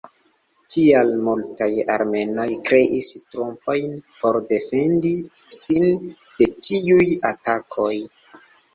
Tial, multaj armenoj kreis trupojn por defendi sin de tiuj atakoj.